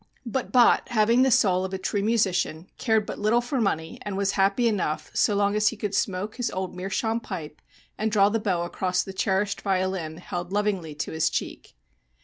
But Bott, having the soul of a true musician, cared but little for money and was happy enough so long as he could smoke his old meerschaum pipe and draw the bow across the cherished violin held lovingly to his cheek.